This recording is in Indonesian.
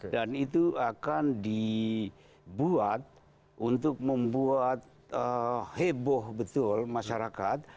dan itu akan dibuat untuk membuat heboh betul masyarakat